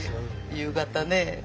夕方ね